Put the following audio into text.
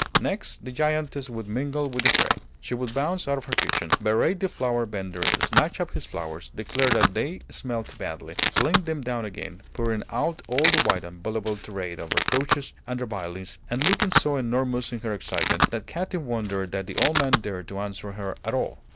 Next the giantess would mingle with the fray. She would bounce out of her kitchen, berate the flower vender, snatch up his flowers, declare that they smelt badly, fling them down again, pouring out all the while a voluble tirade of reproaches and revilings, and looking so enormous in her excitement that Katy wondered that the old man dared to answer her at all.